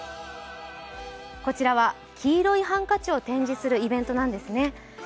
こちらは黄色いハンカチを展示するイベントなんですね。